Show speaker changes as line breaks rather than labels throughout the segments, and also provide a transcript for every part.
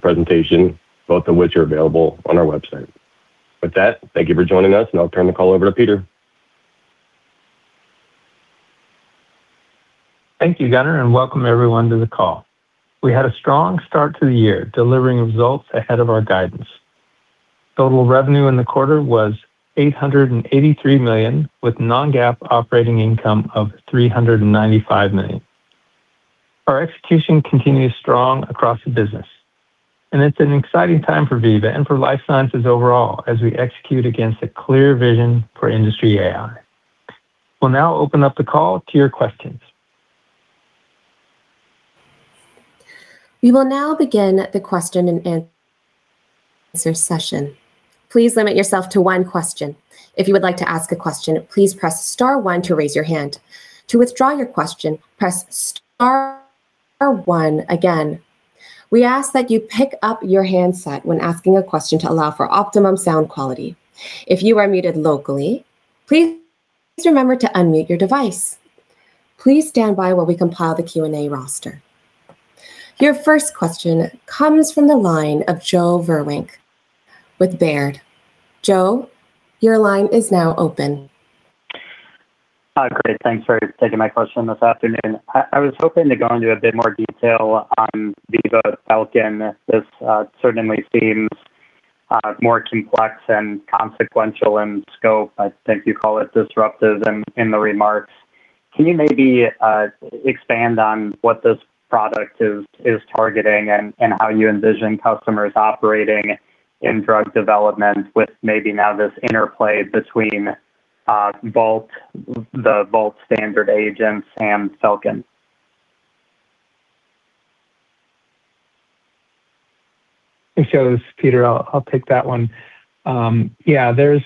Presentation, both of which are available on our website. With that, thank you for joining us, and I'll turn the call over to Peter.
Thank you, Gunnar, and welcome everyone to the call. We had a strong start to the year, delivering results ahead of our guidance. Total revenue in the quarter was $883 million, with non-GAAP operating income of $395 million. Our execution continues strong across the business, and it's an exciting time for Veeva and for life sciences overall as we execute against a clear vision for industry AI. We'll now open up the call to your questions.
We will now begin the question and answer session. Please limit yourself to one question. If you would like to ask a question, please press star one to raise your hand. To withdraw your question, press star one again. We ask that you pick up your handset when asking a question to allow for optimum sound quality. If you are muted locally, please remember to unmute your device. Please stand by while we compile the Q&A roster. Your first question comes from the line of Joe Vruwink with Baird. Joe, your line is now open.
Hi. Great. Thanks for taking my question this afternoon. I was hoping to go into a bit more detail on Veeva Falcon. This certainly seems more complex and consequential in scope. I think you call it disruptive in the remarks. Can you maybe expand on what this product is targeting and how you envision customers operating in drug development with maybe now this interplay between the Vault standard agents and Falcon?
Hey, Joe. This is Peter. I'll pick that one. Yeah, there's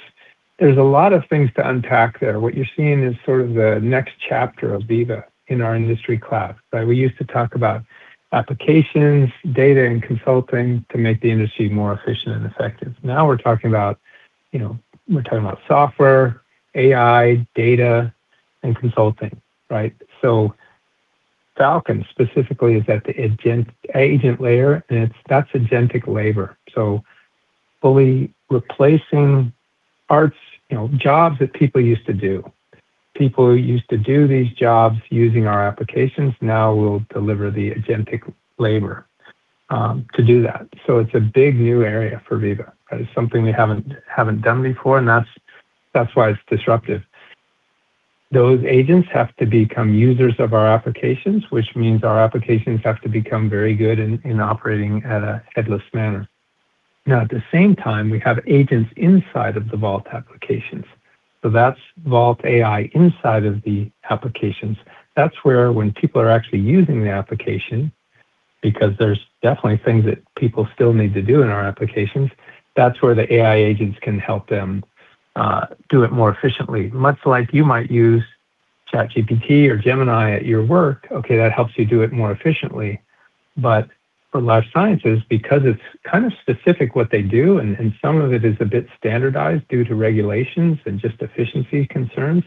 a lot of things to unpack there. What you're seeing is sort of the next chapter of Veeva in our industry cloud. We used to talk about applications, data, and consulting to make the industry more efficient and effective. Now we're talking about software, AI, data, and consulting, right? Falcon specifically is at the agent layer and that's agentic labor. Fully replacing jobs that people used to do. People who used to do these jobs using our applications now will deliver the agentic labor to do that. It's a big new area for Veeva. That is something we haven't done before, and that's why it's disruptive. Those agents have to become users of our applications, which means our applications have to become very good in operating at a headless manner. At the same time, we have agents inside of the Vault applications. That's Vault AI inside of the applications. That's where when people are actually using the application, because there's definitely things that people still need to do in our applications, that's where the AI agents can help them do it more efficiently. Much like you might use ChatGPT or Gemini at your work. Okay, that helps you do it more efficiently. For life sciences, because it's kind of specific what they do and some of it is a bit standardized due to regulations and just efficiency concerns,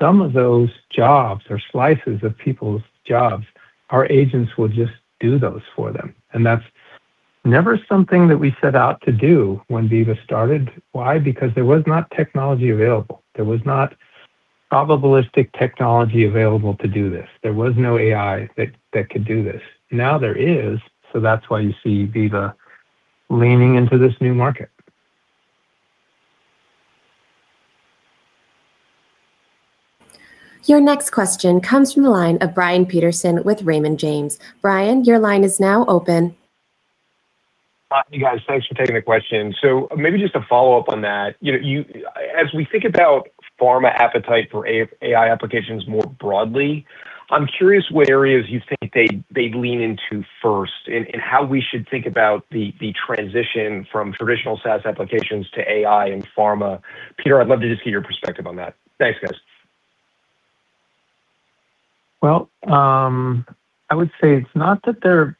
some of those jobs or slices of people's jobs, our agents will just do those for them. That's never something that we set out to do when Veeva started. Why? Because there was not technology available. There was not probabilistic technology available to do this. There was no AI that could do this. Now there is. That's why you see Veeva leaning into this new market.
Your next question comes from the line of Brian Peterson with Raymond James. Brian, your line is now open.
Hi, you guys. Thanks for taking the question. Maybe just to follow up on that. As we think about pharma appetite for AI applications more broadly, I'm curious what areas you think they'd lean into first, and how we should think about the transition from traditional SaaS applications to AI and pharma. Peter, I'd love to just get your perspective on that. Thanks, guys.
I would say it's not that they're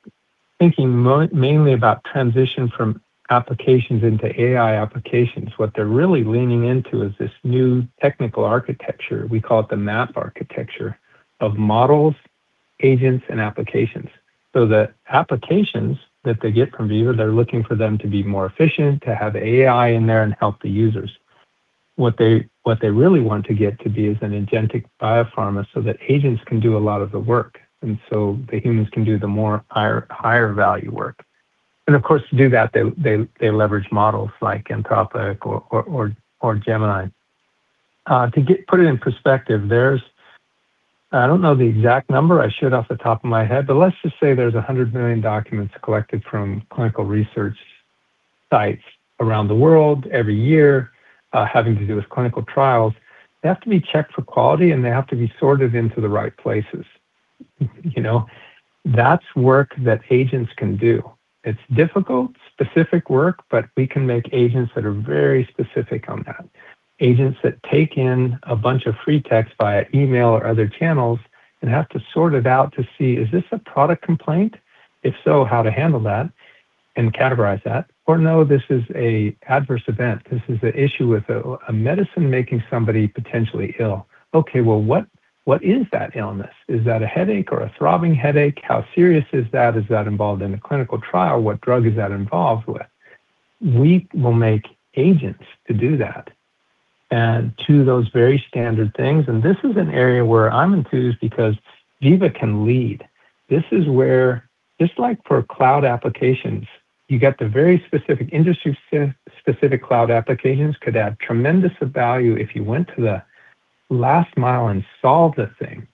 thinking mainly about transition from applications into AI applications. What they're really leaning into is this new technical architecture, we call it the MAP architecture, of Models, Agents, and Applications. The Applications that they get from Veeva, they're looking for them to be more efficient, to have AI in there and help the users. What they really want to get to be is an agentic biopharma, so that agents can do a lot of the work. The humans can do the more higher value work. Of course, to do that, they leverage models like Anthropic or Gemini. To put it in perspective, I don't know the exact number I should off the top of my head, but let's just say there's 100 million documents collected from clinical research sites around the world every year, having to do with clinical trials. They have to be checked for quality, and they have to be sorted into the right places. That's work that agents can do. It's difficult, specific work, but we can make agents that are very specific on that. Agents that take in a bunch of free text via email or other channels and have to sort it out to see, is this a product complaint? If so, how to handle that and categorize that. No, this is a adverse event. This is an issue with a medicine making somebody potentially ill. Okay, well, what is that illness? Is that a headache or a throbbing headache? How serious is that? Is that involved in a clinical trial? What drug is that involved with? We will make agents to do that and to those very standard things, and this is an area where I'm enthused because Veeva can lead. This is where, just like for cloud applications, you get the very specific industry-specific cloud applications could add tremendous value if you went to the last mile and solved the thing.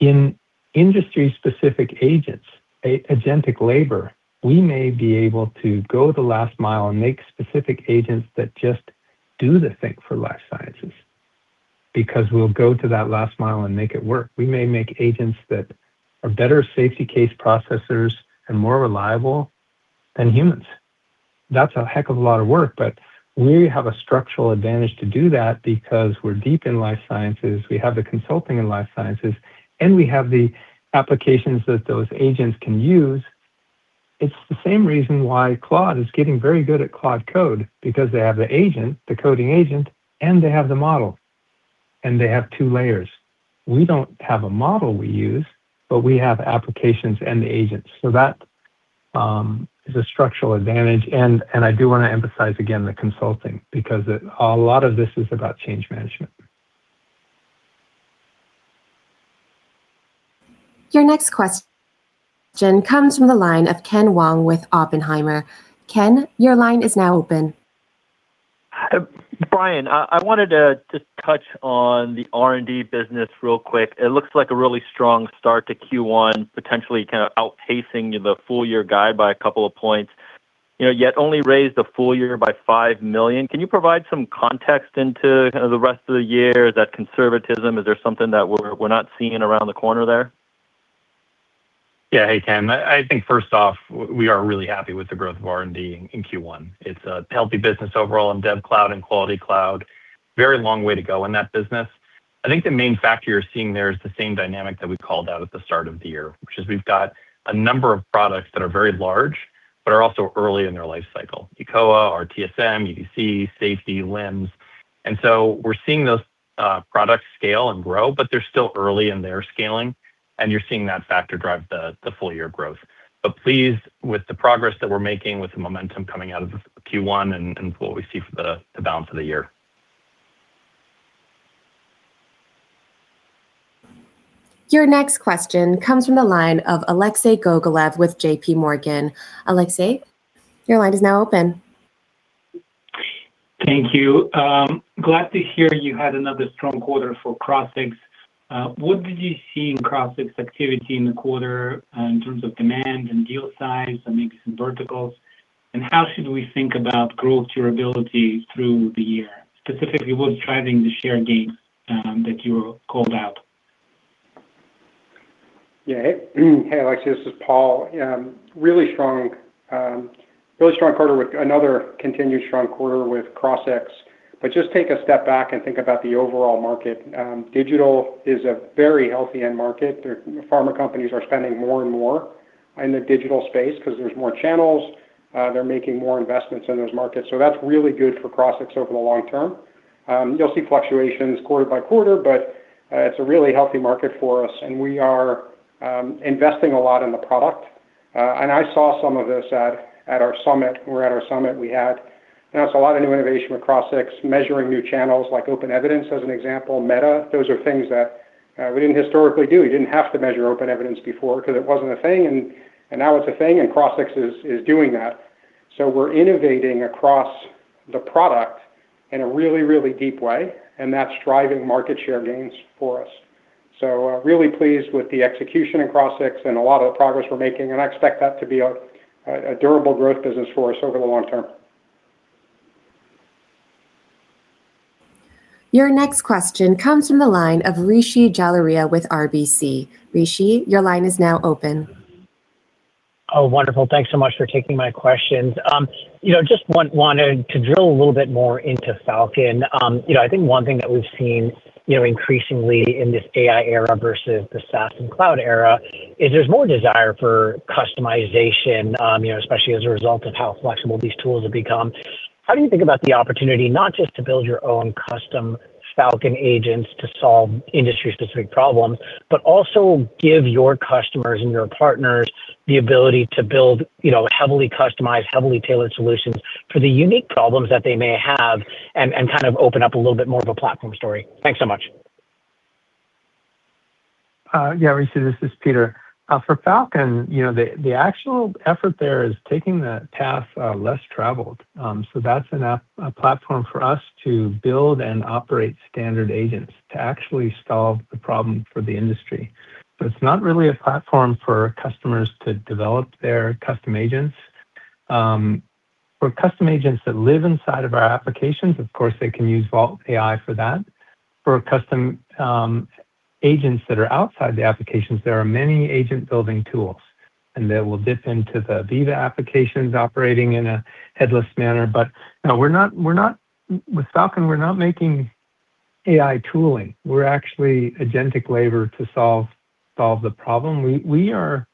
In industry-specific agents, agentic labor, we may be able to go the last mile and make specific agents that just do the thing for life sciences, because we'll go to that last mile and make it work. We may make agents that are better safety case processors and more reliable than humans. That's a heck of a lot of work, but we have a structural advantage to do that because we're deep in life sciences. We have the consulting in life sciences, and we have the applications that those agents can use. It's the same reason why Claude is getting very good at Claude Code, because they have the agent, the coding agent, and they have the Model, and they have two layers. We don't have a Model we use, but we have Applications and the Agents. That is a structural advantage, and I do want to emphasize again the consulting, because a lot of this is about change management.
Your next question comes from the line of Ken Wong with Oppenheimer. Ken, your line is now open.
Brian, I wanted to touch on the R&D business real quick. It looks like a really strong start to Q1, potentially kind of outpacing the full-year guide by a couple of points. Yet only raised the full year by $5 million. Can you provide some context into the rest of the year? Is that conservatism? Is there something that we're not seeing around the corner there?
Yeah. Hey, Ken. I think first off, we are really happy with the growth of R&D in Q1. It's a healthy business overall in Dev Cloud and Quality Cloud. Very long way to go in that business. I think the main factor you're seeing there is the same dynamic that we called out at the start of the year. Which is we've got a number of products that are very large, but are also early in their life cycle, eCOA, RTSM, EDC, Safety, LIMS. We're seeing those products scale and grow, but they're still early in their scaling, and you're seeing that factor drive the full-year growth. Pleased with the progress that we're making with the momentum coming out of Q1 and what we see for the balance of the year.
Your next question comes from the line of Alexei Gogolev with JPMorgan. Alexei, your line is now open.
Thank you. Glad to hear you had another strong quarter for Crossix. What did you see in Crossix activity in the quarter in terms of demand and deal size, and maybe some verticals? How should we think about growth durability through the year? Specifically, what's driving the share gains that you called out?
Yeah. Hey, Alexei, this is Paul. Really strong quarter with another continued strong quarter with Crossix. Just take a step back and think about the overall market. Digital is a very healthy end market. Pharma companies are spending more and more in the digital space because there's more channels. They're making more investments in those markets. That's really good for Crossix over the long term. You'll see fluctuations quarter by quarter, but it's a really healthy market for us and we are investing a lot in the product. I saw some of this at our summit. Where at our summit, we had announced a lot of new innovation with Crossix, measuring new channels like OpenEvidence, as an example, Meta. Those are things that we didn't historically do. We didn't have to measure OpenEvidence before because it wasn't a thing, and now it's a thing, and Crossix is doing that. We're innovating across the product in a really, really deep way, and that's driving market share gains for us. Really pleased with the execution in Crossix and a lot of the progress we're making, and I expect that to be a durable growth business for us over the long term.
Your next question comes from the line of Rishi Jaluria with RBC. Rishi, your line is now open.
Oh, wonderful. Thanks so much for taking my questions. Just wanted to drill a little bit more into Falcon. I think one thing that we've seen increasingly in this AI era versus the SaaS and cloud era is there's more desire for customization, especially as a result of how flexible these tools have become. How do you think about the opportunity, not just to build your own custom Falcon agents to solve industry-specific problems but also give your customers and your partners the ability to build heavily customized, heavily tailored solutions for the unique problems that they may have and kind of open up a little bit more of a platform story? Thanks so much.
Yeah, Rishi, this is Peter. For Falcon, the actual effort there is taking the path less traveled. That's a platform for us to build and operate standard agents to actually solve the problem for the industry. It's not really a platform for customers to develop their custom agents. For custom agents that live inside of our applications, of course, they can use Vault AI for that. For custom agents that are outside the applications, there are many agent-building tools, and they will dip into the Veeva applications operating in a headless manner. No, with Falcon, we're not making AI tooling. We're actually agentic labor to solve the problem. We are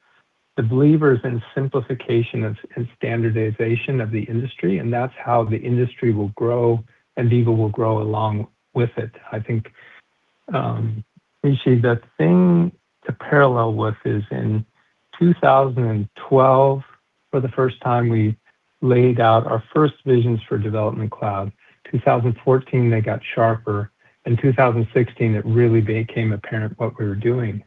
the believers in simplification and standardization of the industry, and that's how the industry will grow, and Veeva will grow along with it. I think, Rishi, the thing to parallel with is in 2012, for the first time, we laid out our first visions for Development Cloud. 2014, they got sharper. In 2016, it really became apparent what we were doing.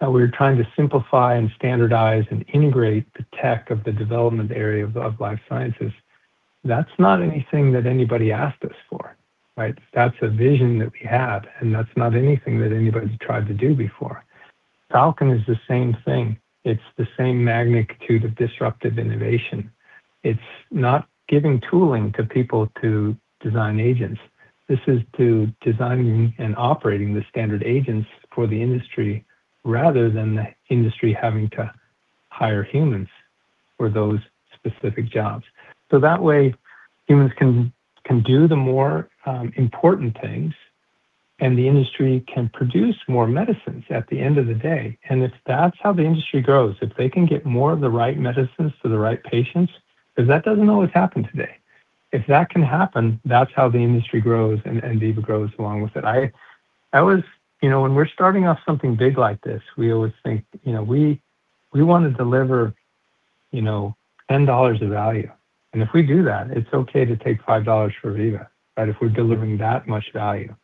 We were trying to simplify and standardize and integrate the tech of the development area of the life sciences. That's not anything that anybody asked us for, right? That's a vision that we had, and that's not anything that anybody's tried to do before. Falcon is the same thing. It's the same magnitude of disruptive innovation. It's not giving tooling to people to design agents. This is to designing and operating the standard agents for the industry rather than the industry having to hire humans for those specific jobs. That way, humans can do the more important things, and the industry can produce more medicines at the end of the day. If that's how the industry grows, if they can get more of the right medicines to the right patients, because that doesn't always happen today. If that can happen, that's how the industry grows, and Veeva grows along with it. When we're starting off something big like this, we always think we want to deliver $10 of value, and if we do that, it's okay to take $5 for Veeva. If we're delivering that much value.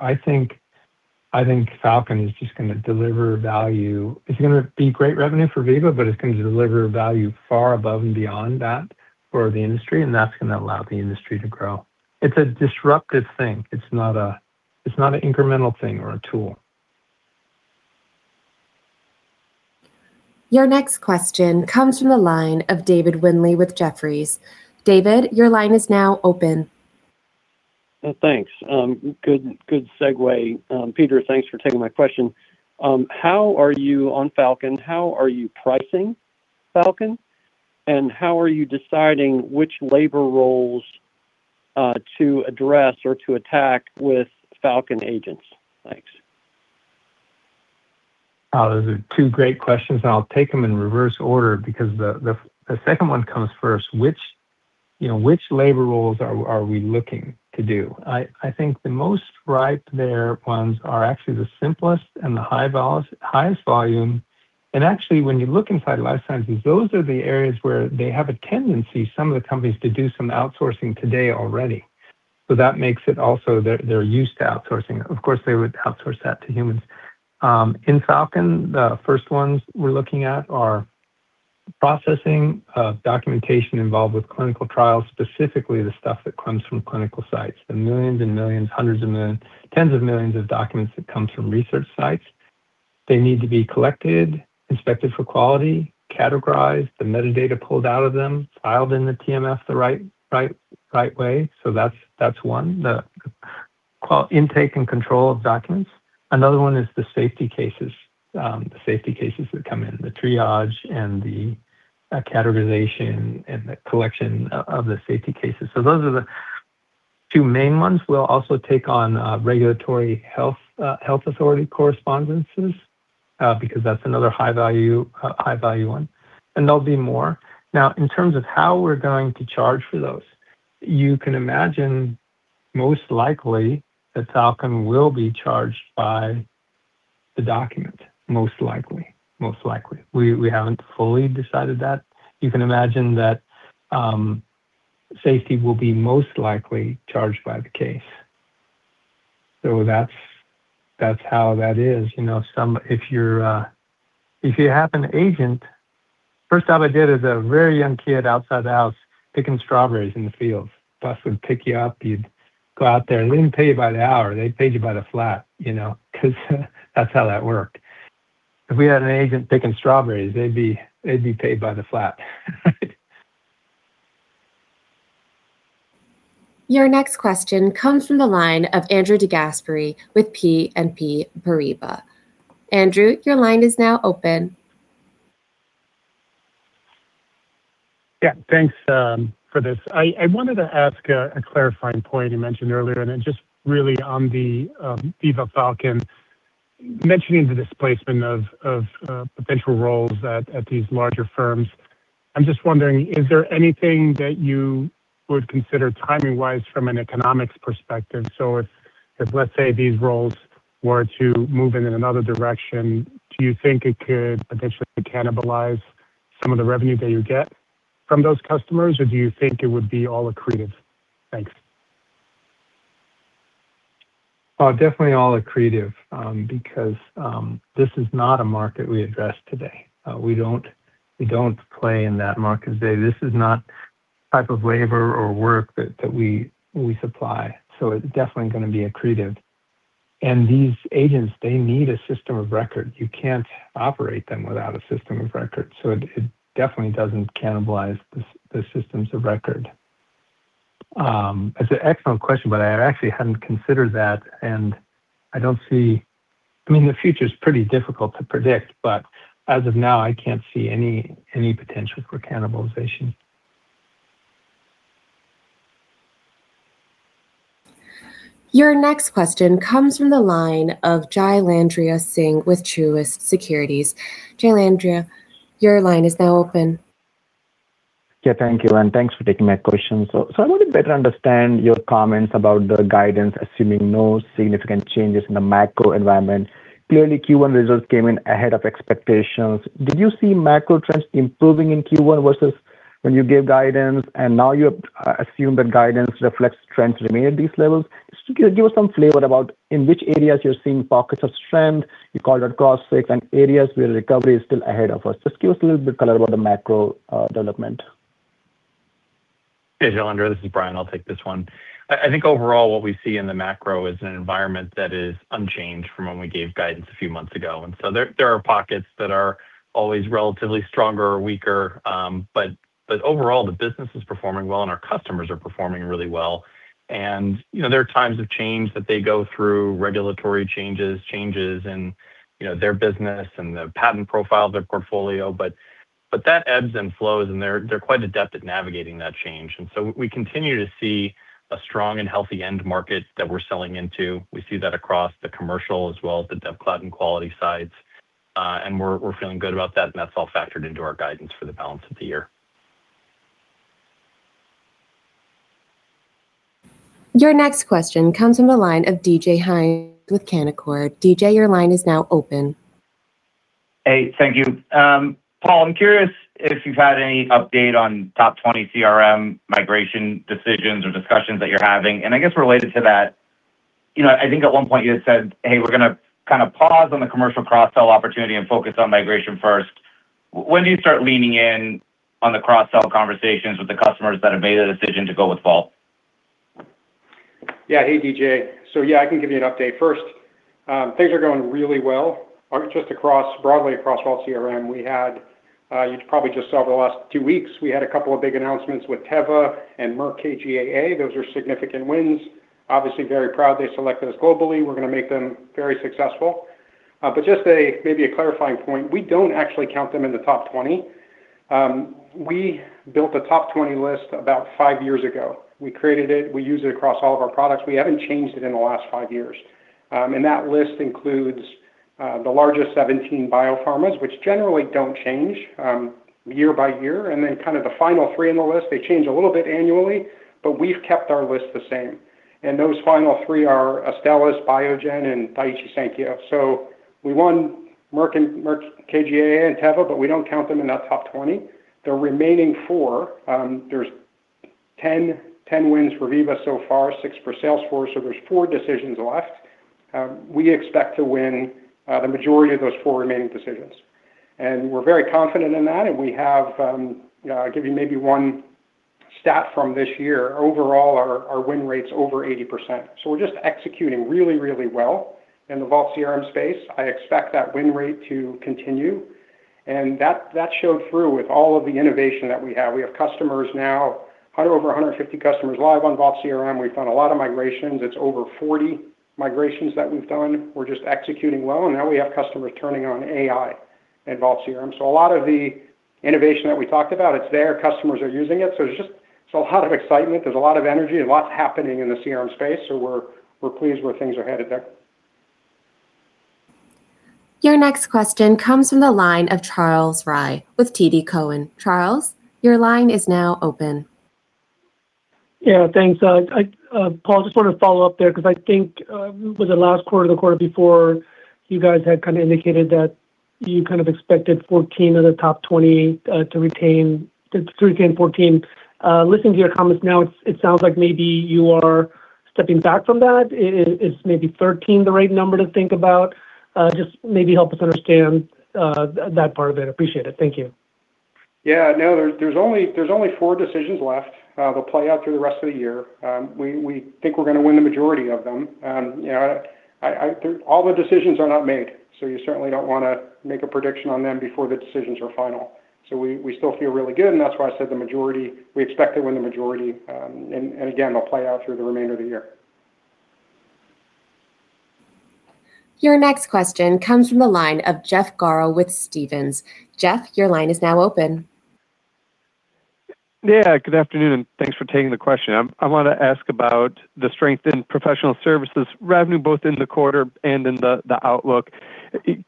I think Falcon is just going to deliver value. It's going to be great revenue for Veeva, but it's going to deliver value far above and beyond that for the industry. That's going to allow the industry to grow. It's a disruptive thing. It's not an incremental thing or a tool.
Your next question comes from the line of David Windley with Jefferies. David, your line is now open.
Thanks. Good segue. Peter, thanks for taking my question. On Falcon, how are you pricing Falcon, and how are you deciding which labor roles to address or to attack with Falcon agents? Thanks.
Those are two great questions, I'll take them in reverse order because the second one comes first. Which labor roles are we looking to do? I think the most ripe there ones are actually the simplest and the highest volume. Actually, when you look inside life sciences, those are the areas where they have a tendency, some of the companies, to do some outsourcing today already. That makes it also they're used to outsourcing. Of course, they would outsource that to humans. In Falcon, the first ones we're looking at are processing documentation involved with clinical trials, specifically the stuff that comes from clinical sites, the millions and millions, hundreds of millions, tens of millions of documents that come from research sites. They need to be collected, inspected for quality, categorized, the metadata pulled out of them, filed in the TMF the right way. That's one, the intake and control of documents. Another one is the safety cases that come in. The triage and the categorization and the collection of the safety cases. Those are the two main ones. We'll also take on regulatory health authority correspondences because that's another high-value one, and there'll be more. In terms of how we're going to charge for those, you can imagine, most likely, that Falcon will be charged by the document. Most likely. We haven't fully decided that. You can imagine that safety will be most likely charged by the case. That's how that is. First job I did as a very young kid outside the house picking strawberries in the field. Bus would pick you up, you'd go out there and they didn't pay you by the hour, they paid you by the flat because that's how that worked. If we had an agent picking strawberries, they'd be paid by the flat, right?
Your next question comes from the line of Andrew DeGasperi with BNP Paribas. Andrew, your line is now open.
Yeah. Thanks for this. I wanted to ask a clarifying point you mentioned earlier, just really on the Veeva Falcon, mentioning the displacement of potential roles at these larger firms. I'm just wondering, is there anything that you would consider timing-wise from an economics perspective? If, let's say, these roles were to move in another direction, do you think it could potentially cannibalize some of the revenue that you get from those customers, or do you think it would be all accretive? Thanks.
Definitely all accretive because this is not a market we address today. We don't play in that market today. This is not type of labor or work that we supply. It's definitely going to be accretive. These agents, they need a system of record. You can't operate them without a system of record. It definitely doesn't cannibalize the systems of record. It's an excellent question but I actually hadn't considered that. The future's pretty difficult to predict, but as of now, I can't see any potential for cannibalization.
Your next question comes from the line of Jailendra Singh with Truist Securities. Jailendra, your line is now open.
Yeah, thank you, and thanks for taking my question. I wanted to better understand your comments about the guidance, assuming no significant changes in the macro environment. Clearly, Q1 results came in ahead of expectations. Did you see macro trends improving in Q1 versus when you gave guidance, and now you assume that guidance reflects trends remain at these levels? Just give us some flavor about in which areas you're seeing pockets of strength. You called out cross-sales and areas where recovery is still ahead of us. Just give us a little bit of color about the macro development.
Hey, Jailendra, this is Brian. I'll take this one. I think overall what we see in the macro is an environment that is unchanged from when we gave guidance a few months ago. There are pockets that are always relatively stronger or weaker. Overall, the business is performing well, and our customers are performing really well. There are times of change that they go through, regulatory changes in their business and the patent profile of their portfolio, but that ebbs and flows, and they're quite adept at navigating that change. We continue to see a strong and healthy end market that we're selling into. We see that across the commercial as well as the Dev Cloud and Quality sides. We're feeling good about that, and that's all factored into our guidance for the balance of the year.
Your next question comes from the line of DJ Hynes with Canaccord. DJ, your line is now open.
Hey, thank you. Paul, I'm curious if you've had any update on top 20 CRM migration decisions or discussions that you're having. I guess related to that, I think at one point you had said, "Hey, we're going to kind of pause on the commercial cross-sell opportunity and focus on migration first." When do you start leaning in on the cross-sell conversations with the customers that have made a decision to go with Vault?
Yeah. Hey, DJ. Yeah, I can give you an update. First, things are going really well, just broadly across Vault CRM. You probably just saw the last two weeks, we had a couple of big announcements with Teva and Merck KGaA. Those are significant wins. Obviously very proud they selected us globally. We're going to make them very successful. Just maybe a clarifying point, we don't actually count them in the top 20. We built a top 20 list about five years ago. We created it. We use it across all of our products. We haven't changed it in the last five years. That list includes the largest 17 biopharmas, which generally don't change year by year, then kind of the final three in the list, they change a little bit annually, we've kept our list the same. Those final three are Astellas, Biogen, and Daiichi Sankyo. We won Merck KGaA and Teva, but we don't count them in that top 20. The remaining four, there's 10 wins for Veeva so far, six for Salesforce, there's four decisions left. We expect to win the majority of those four remaining decisions. We're very confident in that, and I'll give you maybe one stat from this year. Overall, our win rate's over 80%. We're just executing really, really well in the Vault CRM space. I expect that win rate to continue, and that showed through with all of the innovation that we have. We have customers now, over 150 customers live on Vault CRM. We've done a lot of migrations. It's over 40 migrations that we've done. We're just executing well, and now we have customers turning on AI in Vault CRM. A lot of the innovation that we talked about, it's there, customers are using it. It's just a lot of excitement. There's a lot of energy and lots happening in the CRM space. We're pleased where things are headed there.
Your next question comes from the line of Charles Rhyee with TD Cowen. Charles, your line is now open.
Yeah, thanks. Paul, just want to follow up there because I think it was the last quarter or the quarter before, you guys had indicated that you kind of expected 14 of the top 20 to retain 13, 14. Listening to your comments now, it sounds like maybe you are stepping back from that. Is maybe 13 the right number to think about? Just maybe help us understand that part of it. Appreciate it. Thank you.
Yeah, no, there's only four decisions left. They'll play out through the rest of the year. We think we're going to win the majority of them. All the decisions are not made. You certainly don't want to make a prediction on them before the decisions are final. We still feel really good, and that's why I said the majority, we expect to win the majority. Again, they'll play out through the remainder of the year.
Your next question comes from the line of Jeff Garro with Stephens. Jeff, your line is now open.
Yeah, good afternoon. Thanks for taking the question. I want to ask about the strength in professional services revenue, both in the quarter and in the outlook.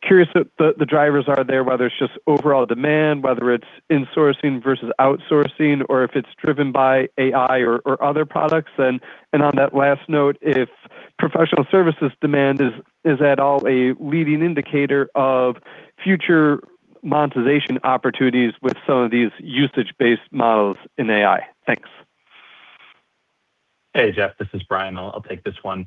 Curious what the drivers are there, whether it's just overall demand, whether it's insourcing versus outsourcing, or if it's driven by AI or other products. On that last note, if professional services demand is at all a leading indicator of future monetization opportunities with some of these usage-based models in AI. Thanks.
Hey, Jeff, this is Brian. I'll take this one.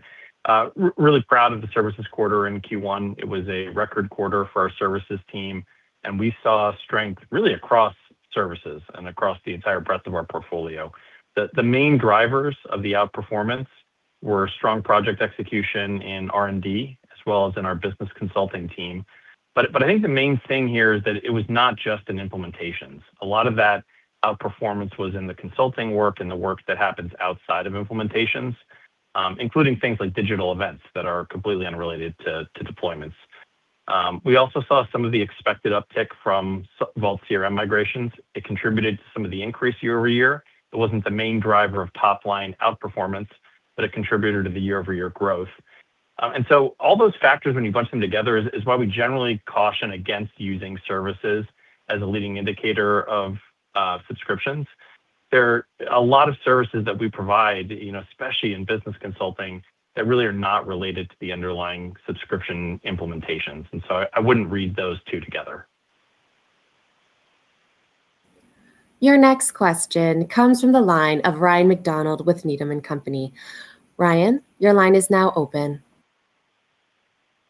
Really proud of the services quarter in Q1. It was a record quarter for our services team, and we saw strength really across services and across the entire breadth of our portfolio. The main drivers of the outperformance were strong project execution in R&D as well as in our business consulting team. I think the main thing here is that it was not just in implementations. A lot of that outperformance was in the consulting work and the work that happens outside of implementations, including things like digital events that are completely unrelated to deployments. We also saw some of the expected uptick from Vault CRM migrations. It contributed to some of the increase year-over-year. It wasn't the main driver of top-line outperformance, but a contributor to the year-over-year growth. All those factors, when you bunch them together, is why we generally caution against using services as a leading indicator of subscriptions. There are a lot of services that we provide, especially in business consulting, that really are not related to the underlying subscription implementations. I wouldn't read those two together.
Your next question comes from the line of Ryan MacDonald with Needham & Company. Ryan, your line is now open.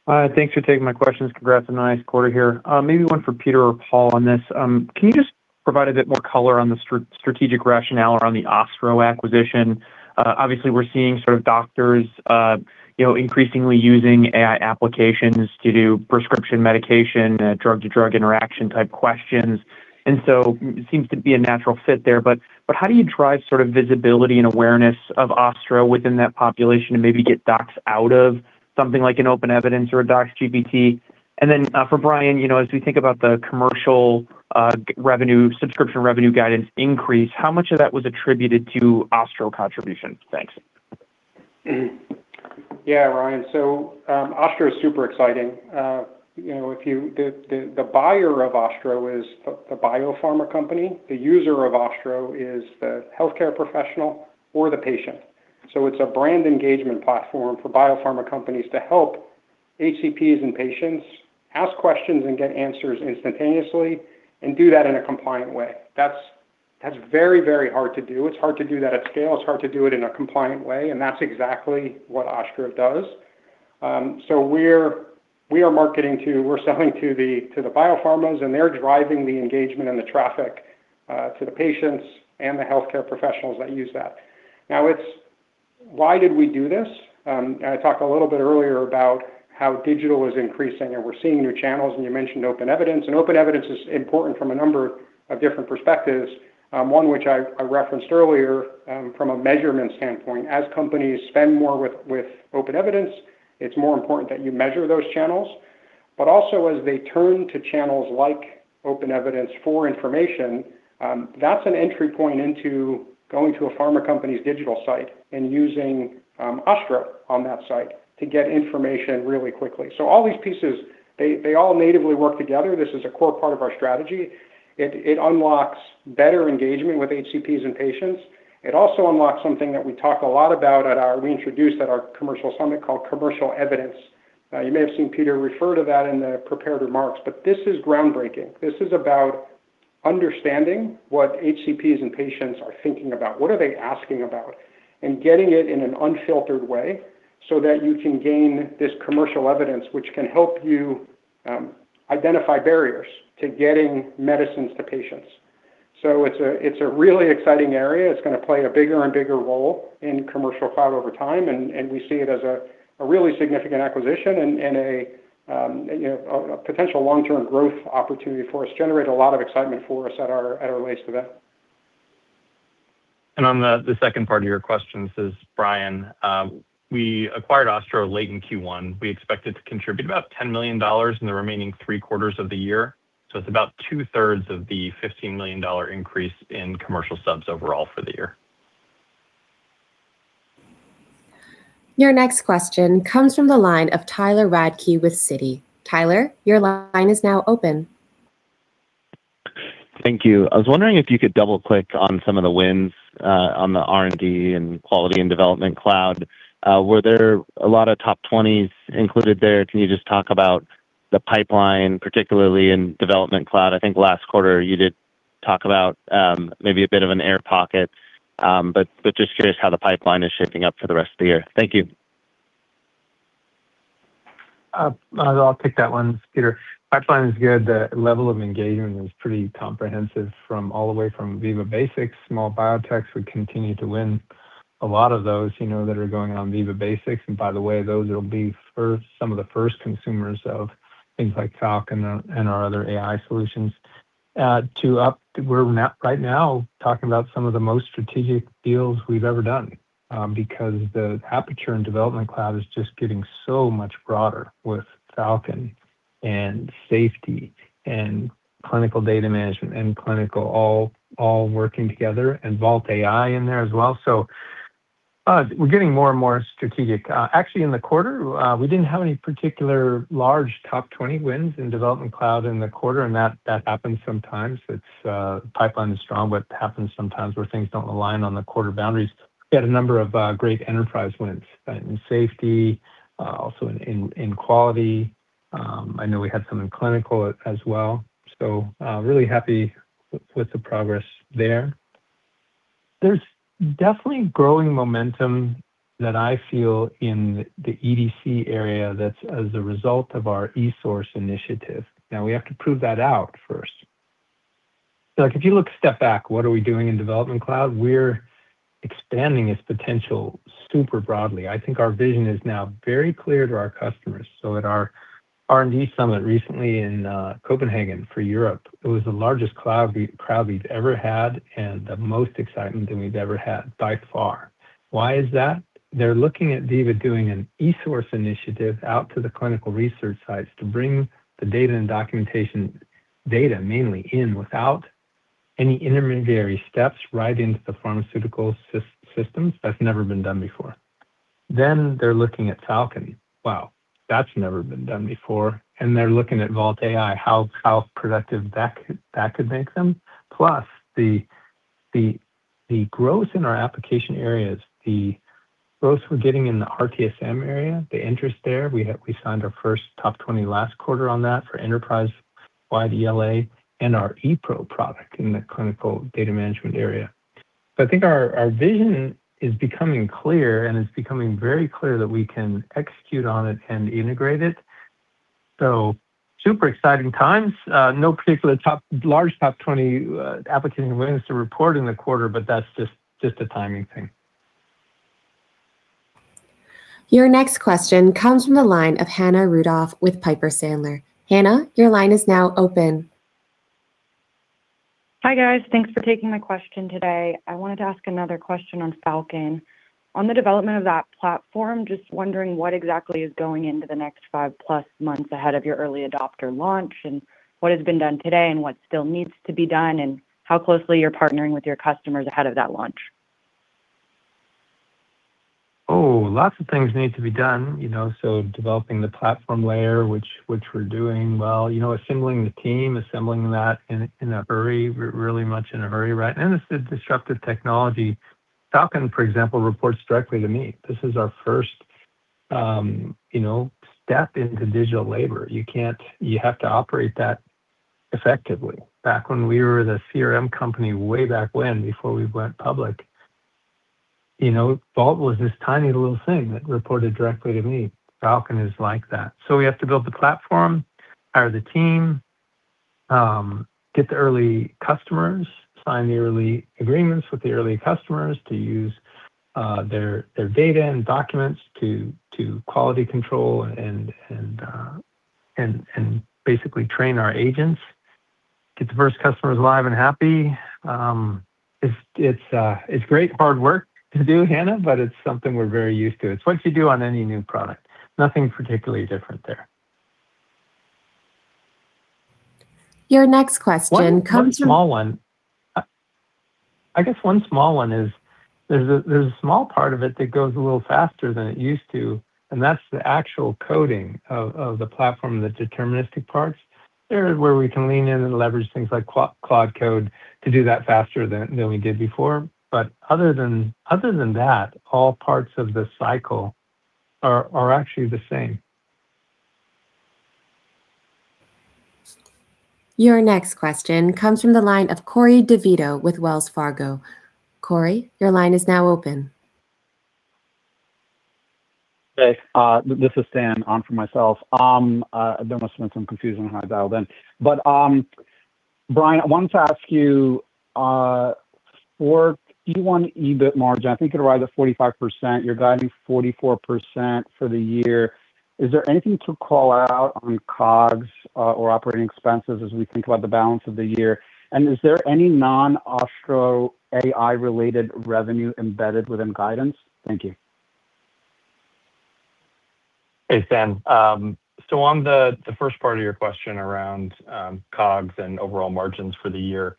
Hi, thanks for taking my questions. Congrats on the nice quarter here. Maybe one for Peter or Paul on this. Can you just provide a bit more color on the strategic rationale around the Ostro acquisition? Obviously, we're seeing doctors increasingly using AI applications to do prescription medication, drug-to-drug interaction type questions and so it seems to be a natural fit there. How do you drive visibility and awareness of Ostro within that population and maybe get docs out of something like an OpenEvidence or a DocsGPT? Then for Brian, as we think about the commercial subscription revenue guidance increase, how much of that was attributed to Ostro contribution? Thanks.
Yeah, Ryan. Ostro is super exciting. The buyer of Ostro is a biopharma company. The user of Ostro is the healthcare professional or the patient. It's a brand engagement platform for biopharma companies to help HCPs and patients ask questions and get answers instantaneously and do that in a compliant way. That's very hard to do. It's hard to do that at scale. It's hard to do it in a compliant way, and that's exactly what Ostro does. We're selling to the biopharmas, and they're driving the engagement and the traffic to the patients and the healthcare professionals that use that. Why did we do this? I talked a little bit earlier about how digital is increasing and we're seeing new channels, and you mentioned OpenEvidence. OpenEvidence is important from a number of different perspectives. One which I referenced earlier, from a measurement standpoint. Also as they turn to channels like OpenEvidence for information, that's an entry point into going to a pharma company's digital site and using Ostro on that site to get information really quickly. All these pieces, they all natively work together. This is a core part of our strategy. It unlocks better engagement with HCPs and patients. It also unlocks something that we talk a lot about at our, we introduced at our Commercial Summit called Commercial Evidence. You may have seen Peter refer to that in the prepared remarks, but this is groundbreaking. This is about understanding what HCPs and patients are thinking about, what are they asking about, and getting it in an unfiltered way so that you can gain this Commercial Evidence, which can help you identify barriers to getting medicines to patients. It's a really exciting area. It's going to play a bigger and bigger role in Commercial Cloud over time, and we see it as a really significant acquisition and a potential long-term growth opportunity for us, generate a lot of excitement for us at our release event.
On the second part of your question, this is Brian. We acquired Ostro late in Q1. We expect it to contribute about $10 million in the remaining three quarters of the year. It's about two-thirds of the $15 million increase in commercial subs overall for the year.
Your next question comes from the line of Tyler Radke with Citi. Tyler, your line is now open.
Thank you. I was wondering if you could double-click on some of the wins on the R&D and Quality and Development Cloud. Were there a lot of top 20s included there? Can you just talk about the pipeline, particularly in Development Cloud? I think last quarter you did talk about maybe a bit of an air pocket. Just curious how the pipeline is shaping up for the rest of the year. Thank you.
I'll pick that one. Peter. Pipeline is good. The level of engagement is pretty comprehensive from all the way from Veeva Basics, small biotechs, we continue to win a lot of those that are going on Veeva Basics. By the way, those will be some of the first consumers of things like Talk and our other AI solutions, to we're right now talking about some of the most strategic deals we've ever done. Because the aperture and Development Cloud is just getting so much broader with Falcon and Safety and Clinical Data Management and Clinical all working together and Vault AI in there as well. We're getting more and more strategic. Actually, in the quarter, we didn't have any particular large top 20 wins in Development Cloud in the quarter, and that happens sometimes. Pipeline is strong. It happens sometimes where things don't align on the quarter boundaries. We had a number of great enterprise wins in Safety, also in Quality. I know we had some in Clinical as well. Really happy with the progress there. There's definitely growing momentum that I feel in the EDC area that's as a result of our eSource initiative. Now, we have to prove that out first. If you look a step back, what are we doing in Development Cloud? We're expanding its potential super broadly. I think our vision is now very clear to our customers. At our R&D summit recently in Copenhagen for Europe, it was the largest crowd we've ever had and the most excitement that we've ever had by far. Why is that? They're looking at Veeva doing an eSource initiative out to the clinical research sites to bring the data and documentation, data mainly, in without any intermediary steps, right into the pharmaceutical systems. That's never been done before. They're looking at Falcon. Wow, that's never been done before. They're looking at Vault AI, how productive that could make them. Plus, the growth in our application areas, the growth we're getting in the RTSM area, the interest there. We signed our first top 20 last quarter on that for enterprise-wide ELA and our Veeva ePRO product in the clinical data management area. I think our vision is becoming clear, and it's becoming very clear that we can execute on it and integrate it. Super exciting times. No particular large top 20 applications or wins to report in the quarter but that's just a timing thing.
Your next question comes from the line of Hannah Rudolph with Piper Sandler. Hannah, your line is now open.
Hi, guys. Thanks for taking my question today. I wanted to ask another question on Falcon. On the development of that platform, just wondering what exactly is going into the next five plus months ahead of your early adopter launch, and what has been done today and what still needs to be done, and how closely you're partnering with your customers ahead of that launch.
Oh, lots of things need to be done. Developing the platform layer, which we're doing well. Assembling the team, assembling that in a hurry, really much in a hurry, right? This is disruptive technology. Falcon, for example, reports directly to me. This is our first step into digital labor. You have to operate that effectively. Back when we were the CRM company way back when, before we went public, Vault was this tiny little thing that reported directly to me. Falcon is like that. We have to build the platform, hire the team, get the early customers, sign the early agreements with the early customers to use their data and documents to quality control and basically train our agents, get the first customers live and happy. It's great hard work to do, Hannah, but it's something we're very used to. It's what you do on any new product. Nothing particularly different there.
Your next question comes from-
I guess one small one is there's a small part of it that goes a little faster than it used to, and that's the actual coding of the platform, the deterministic parts. There is where we can lean in and leverage things like Claude Code to do that faster than we did before. Other than that, all parts of the cycle are actually the same.
Your next question comes from the line of Corey DeVito with Wells Fargo. Corey, your line is now open.
Hey. This is Stan. I'm unmuting myself. There must have been some confusion when I dialed in. Brian, I wanted to ask you, for Q1 EBIT margin, I think it arrived at 45%. You're guiding 44% for the year. Is there anything to call out on COGS or Operating Expenses as we think about the balance of the year? Is there any non-Ostro AI related revenue embedded within guidance? Thank you.
Hey, Stan. On the first part of your question around COGS and overall margins for the year,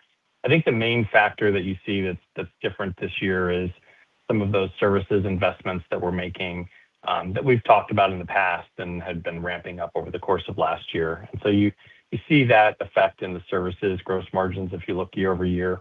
I think the main factor that you see that's different this year is some of those services investments that we're making, that we've talked about in the past and had been ramping up over the course of last year. You see that effect in the services gross margins if you look year-over-year.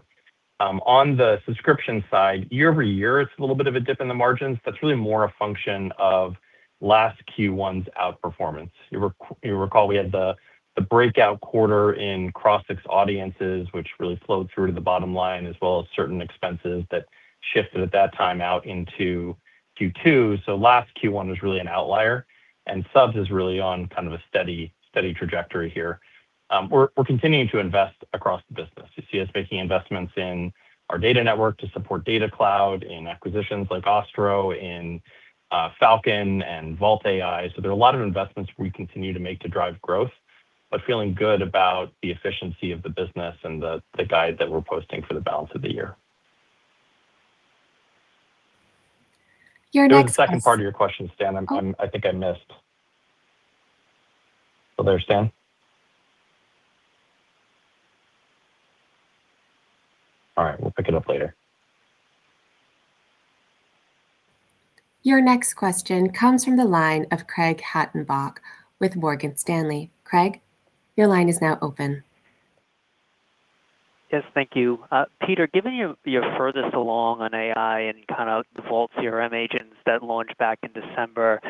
On the subscription side, year-over-year, it's a little bit of a dip in the margins. That's really more a function of last Q1's outperformance. You recall we had the breakout quarter in Crossix audiences, which really flowed through to the bottom line, as well as certain expenses that shifted at that time out into Q2. Last Q1 was really an outlier, and subs is really on kind of a steady trajectory here. We're continuing to invest across the business. You see us making investments in our data network to support Data Cloud, in acquisitions like Ostro, in Falcon, and Vault AI. There are a lot of investments we continue to make to drive growth, but feeling good about the efficiency of the business and the guide that we're posting for the balance of the year.
Your next question.
The second part of your question, Stan, I think I missed. You still there, Stan? All right. We'll pick it up later.
Your next question comes from the line of Craig Hettenbach with Morgan Stanley. Craig, your line is now open.
Yes. Thank you. Peter, given you're furthest along on AI and kind of the Vault CRM agents that launched back in December,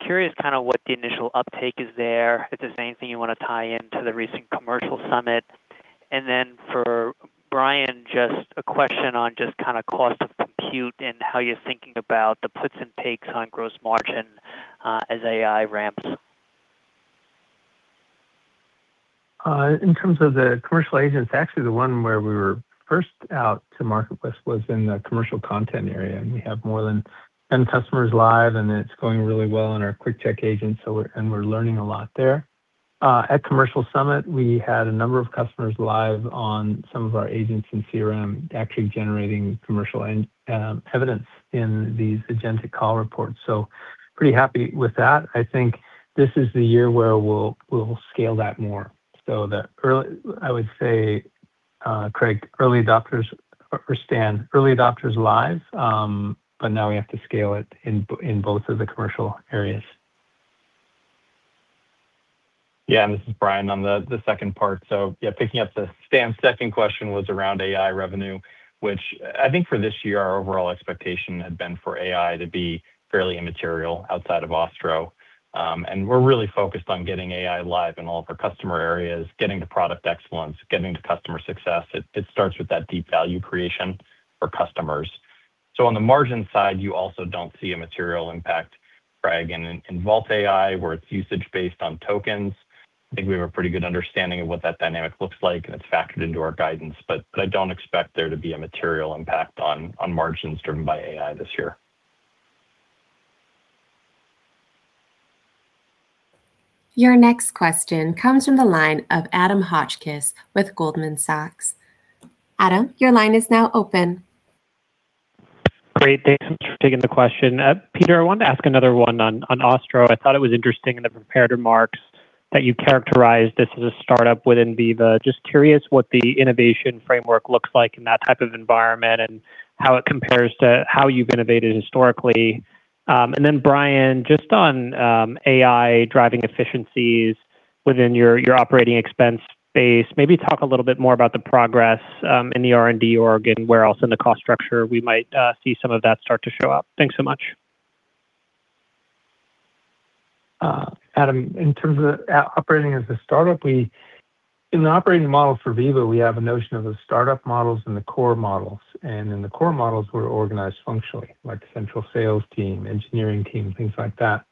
curious what the initial uptake is there, if there's anything you want to tie into the recent commercial summit. For Brian, just a question on just cost of compute and how you're thinking about the puts and takes on gross margin as AI ramps.
In terms of the commercial agents, actually the one where we were first out to marketplace was in the commercial content area, and we have more than 10 customers live, and it's going really well in our Quick check agents. We're learning a lot there. At Commercial Summit, we had a number of customers live on some of our agents in CRM actually generating Commercial Evidence in these agentic call reports. Pretty happy with that. I think this is the year where we'll scale that more. I would say, Craig, or Stan, early adopters live. Now we have to scale it in both of the commercial areas.
This is Brian on the second part. Picking up Stan's second question was around AI revenue, which I think for this year, our overall expectation had been for AI to be fairly immaterial outside of Ostro. We're really focused on getting AI live in all of our customer areas, getting to product excellence, getting to customer success. It starts with that deep value creation for customers. On the margin side, you also don't see a material impact, Craig, in Vault AI, where it's usage-based on tokens. I think we have a pretty good understanding of what that dynamic looks like and it's factored into our guidance. I don't expect there to be a material impact on margins driven by AI this year.
Your next question comes from the line of Adam Hotchkiss with Goldman Sachs. Adam, your line is now open.
Great. Thanks for taking the question. Peter, I wanted to ask another one on Ostro. I thought it was interesting in the prepared remarks that you characterized this as a startup within Veeva. Just curious what the innovation framework looks like in that type of environment and how it compares to how you've innovated historically. Brian, just on AI driving efficiencies within your operating expense base, maybe talk a little bit more about the progress in the R&D org and where else in the cost structure we might see some of that start to show up. Thanks so much.
Adam, in terms of operating as a startup, in the operating model for Veeva, we have a notion of the startup models and the core models. In the core models, we're organized functionally, like central sales team, engineering team, things like that.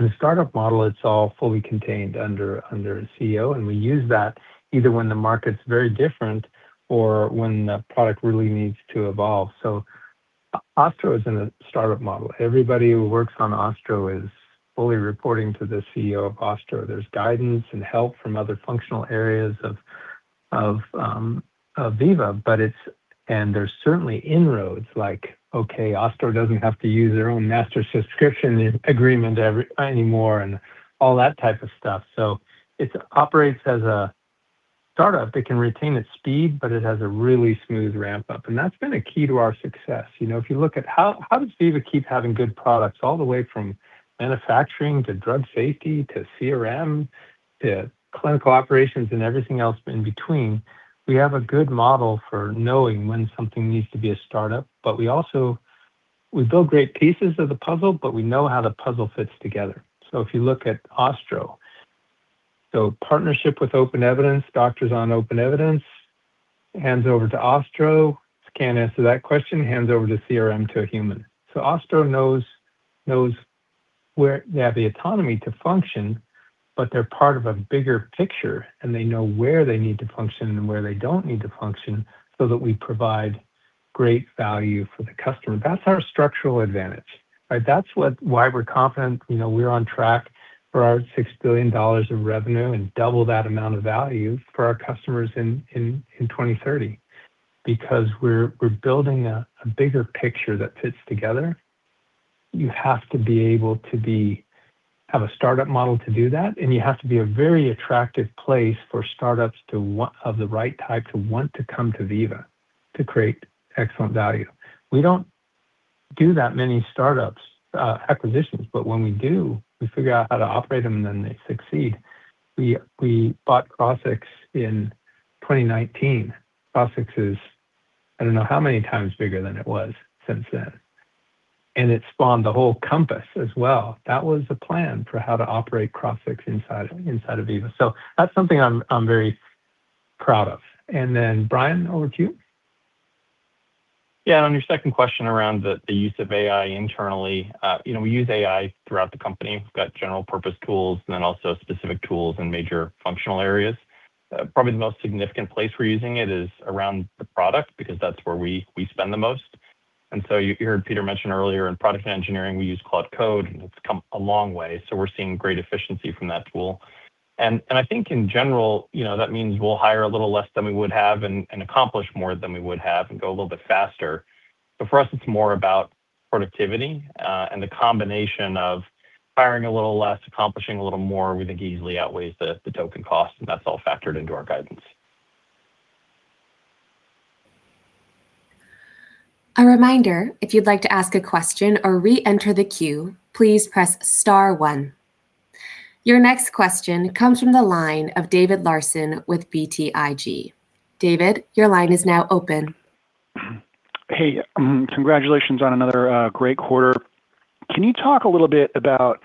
In a startup model, it's all fully contained under a CEO, and we use that either when the market's very different or when the product really needs to evolve. Ostro is in a startup model. Everybody who works on Ostro is fully reporting to the CEO of Ostro. There's guidance and help from other functional areas of Veeva. There's certainly inroads like, okay, Ostro doesn't have to use their own master subscription agreement anymore and all that type of stuff. It operates as a startup. It can retain its speed, but it has a really smooth ramp-up. That's been a key to our success. If you look at how does Veeva keep having good products all the way from manufacturing to drug safety to CRM to clinical operations and everything else in between, we have a good model for knowing when something needs to be a startup. We build great pieces of the puzzle, we know how the puzzle fits together. If you look at Ostro, partnership with OpenEvidence, doctors on OpenEvidence, hands over to Ostro, can't answer that question, hands over to CRM to a human. Ostro knows they have the autonomy to function, but they're part of a bigger picture and they know where they need to function and where they don't need to function so that we provide great value for the customer. That's our structural advantage, right? That's why we're confident we're on track for our $6 billion of revenue and double that amount of value for our customers in 2030. We're building a bigger picture that fits together. You have to be able to have a startup model to do that, and you have to be a very attractive place for startups of the right type to want to come to Veeva to create excellent value. We don't do that many startups acquisitions. When we do, we figure out how to operate them. They succeed. We bought Crossix in 2019. Crossix is, I don't know how many times bigger than it was since then. It spawned the whole Compass as well. That was the plan for how to operate Crossix inside of Veeva. That's something I'm very proud of. Brian, over to you.
Yeah, on your second question around the use of AI internally, we use AI throughout the company. We've got general purpose tools and then also specific tools in major functional areas. Probably the most significant place we're using it is around the product because that's where we spend the most. You heard Peter mention earlier in product engineering, we use Claude Code, and it's come a long way. We're seeing great efficiency from that tool. I think in general, that means we'll hire a little less than we would have and accomplish more than we would have and go a little bit faster. For us, it's more about productivity and the combination of hiring a little less, accomplishing a little more, we think easily outweighs the token cost, and that's all factored into our guidance.
A reminder, if you'd like to ask a question or re-enter the queue, please press star one. Your next question comes from the line of David Larsen with BTIG. David, your line is now open.
Hey, congratulations on another great quarter. Can you talk a little bit about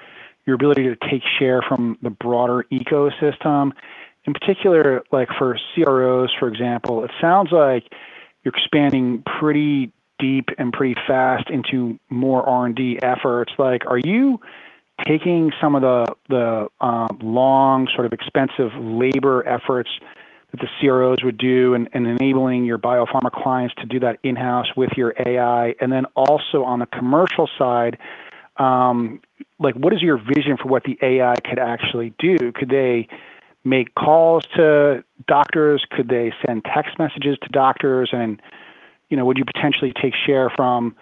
your ability to take share from the broader ecosystem? In particular, like for CROs, for example, it sounds like you're expanding pretty deep and pretty fast into more R&D efforts. Are you taking some of the long sort of expensive labor efforts that the CROs would do in enabling your biopharma clients to do that in-house with your AI, and then also on the commercial side, what is your vision for what the AI could actually do? Could they make calls to doctors? Could they send text messages to doctors? Would you potentially take share from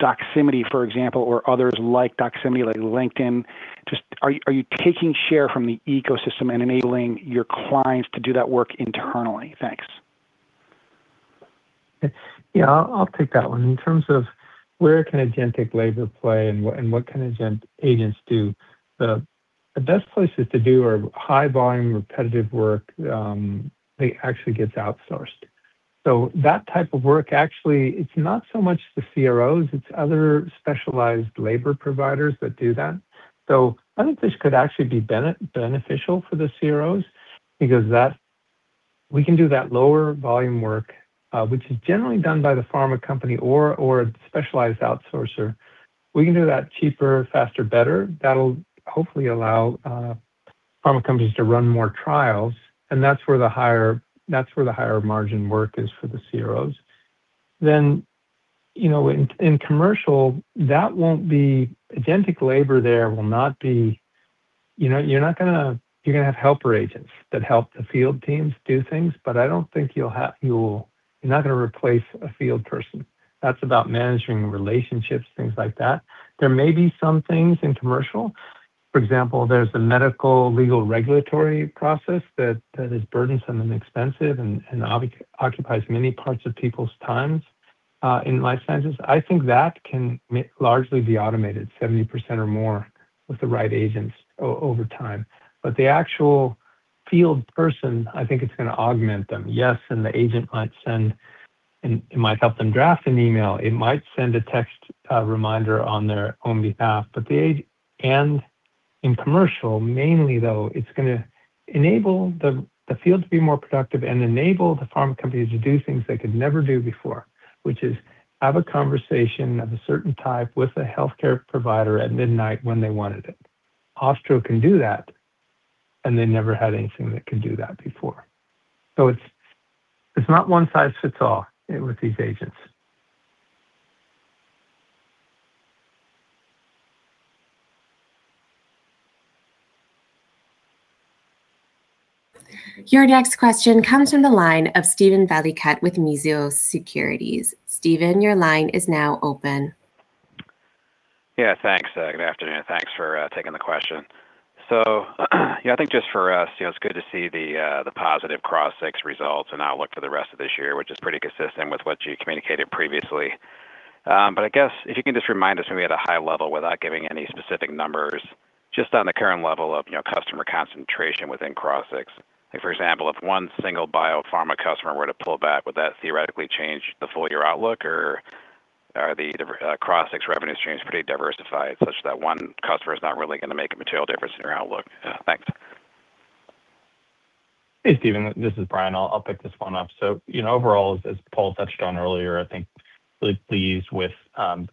Doximity, for example, or others like Doximity, like LinkedIn? Just are you taking share from the ecosystem and enabling your clients to do that work internally? Thanks.
Yeah, I'll take that one. In terms of where can agentic labor play and what can agents do, the best places to do are high volume, repetitive work, it actually gets outsourced. That type of work actually, it's not so much the CROs, it's other specialized labor providers that do that. I think this could actually be beneficial for the CROs because we can do that lower volume work, which is generally done by the pharma company or a specialized outsourcer. We can do that cheaper, faster, better. That'll hopefully allow pharma companies to run more trials, and that's where the higher margin work is for the CROs. In commercial, agentic labor there you're going to have helper agents that help the field teams do things, but I don't think you're not going to replace a field person. That's about managing relationships, things like that. There may be some things in commercial. For example, there's the medical legal regulatory process that is burdensome and expensive and occupies many parts of people's times in life sciences. I think that can largely be automated 70% or more with the right agents over time. The actual field person, I think it's going to augment them. Yes, the agent might help them draft an email. It might send a text reminder on their own behalf. In commercial, mainly though, it's going to enable the field to be more productive and enable the pharma companies to do things they could never do before which is have a conversation of a certain type with a healthcare provider at midnight when they wanted it. Ostro can do that, and they never had anything that could do that before. It's not one size fits all with these agents.
Your next question comes from the line of Steven Valiquette with Mizuho Securities. Steven, your line is now open.
Yeah, thanks. Good afternoon. Thanks for taking the question. Yeah, I think just for us, it's good to see the positive Crossix results and outlook for the rest of this year, which is pretty consistent with what you communicated previously. I guess if you can just remind us maybe at a high level without giving any specific numbers, just on the current level of customer concentration within Crossix. Like for example, if one single biopharma customer were to pull back, would that theoretically change the full-year outlook, or are the Crossix revenue streams pretty diversified such that one customer is not really going to make a material difference in your outlook? Thanks.
Hey Steven, this is Brian. I'll pick this one up. Overall, as Paul touched on earlier, I think really pleased with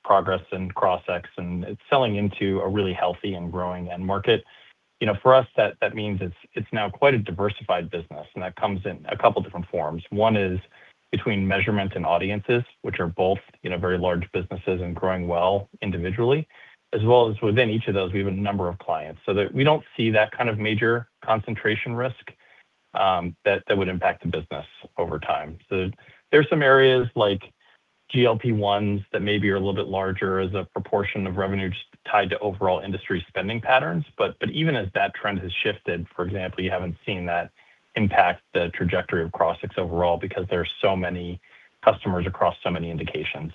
progress in Crossix and it's selling into a really healthy and growing end market. For us, that means it's now quite a diversified business and that comes in a couple different forms. One is between measurement and audiences, which are both very large businesses and growing well individually, as well as within each of those we have a number of clients. We don't see that kind of major concentration risk that would impact the business over time. There's some areas like GLP-1s that maybe are a little bit larger as a proportion of revenue just tied to overall industry spending patterns. Even as that trend has shifted, for example, you haven't seen that impact the trajectory of Crossix overall because there are so many customers across so many indications.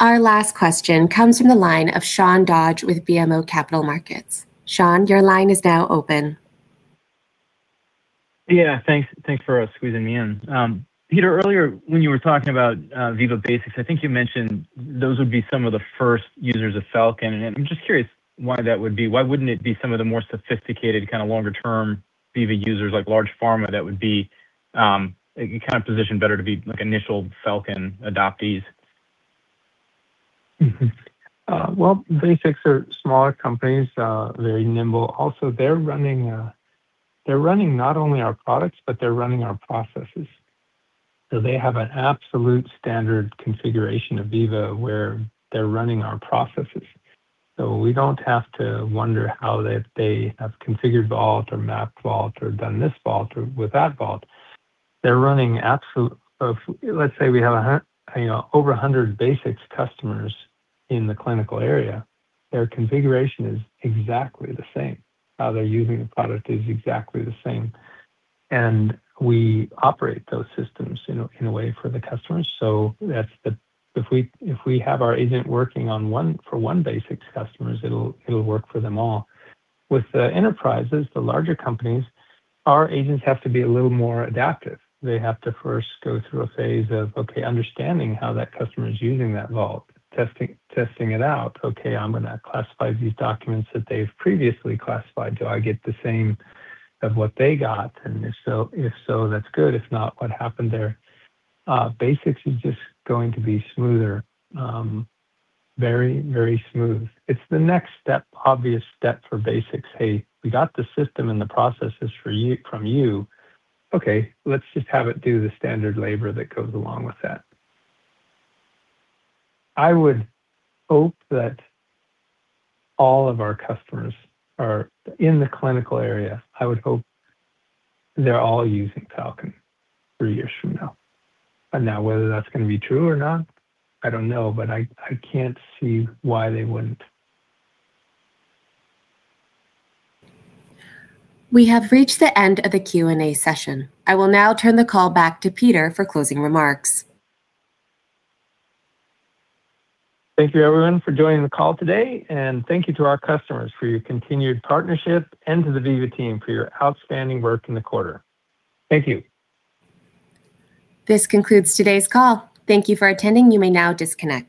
Our last question comes from the line of Sean Dodge with BMO Capital Markets. Sean, your line is now open.
Yeah, thanks for squeezing me in. Peter, earlier when you were talking about Veeva Basics, I think you mentioned those would be some of the first users of Falcon and I'm just curious why that would be. Why wouldn't it be some of the more sophisticated kind of longer term Veeva users like large pharma that would be kind of positioned better to be initial Falcon adoptees?
Well, Basics are smaller companies, very nimble. Also, they're running not only our products, but they're running our processes. They have an absolute standard configuration of Veeva where they're running our processes. We don't have to wonder how they have configured Vault or mapped Vault or done this Vault or with that Vault. Let's say we have over 100 Basics customers in the clinical area, their configuration is exactly the same. How they're using the product is exactly the same. We operate those systems in a way for the customers. If we have our agent working for one Basics customer, it'll work for them all. With the enterprises, the larger companies, our agents have to be a little more adaptive. They have to first go through a phase of, okay, understanding how that customer is using that Vault, testing it out. Okay, I'm going to classify these documents that they've previously classified. Do I get the same of what they got? If so, that's good. If not, what happened there? Veeva Basics is just going to be smoother. Very, very smooth. It's the next obvious step for Veeva Basics. Hey, we got the system and the processes from you. Okay, let's just have it do the standard labor that goes along with that. I would hope that all of our customers in the clinical area, I would hope they're all using Veeva Falcon three years from now. Now whether that's going to be true or not, I don't know, I can't see why they wouldn't.
We have reached the end of the Q&A session. I will now turn the call back to Peter for closing remarks.
Thank you everyone for joining the call today and thank you to our customers for your continued partnership and to the Veeva team for your outstanding work in the quarter. Thank you.
This concludes today's call. Thank you for attending. You may now disconnect.